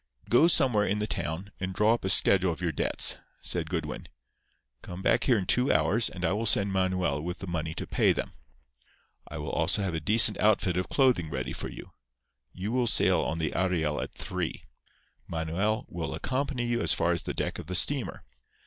"Go somewhere in the town and draw up a schedule of your debts," said Goodwin. "Come back here in two hours, and I will send Manuel with the money to pay them. I will also have a decent outfit of clothing ready for you. You will sail on the Ariel at three. Manuel will accompany you as far as the deck of the steamer.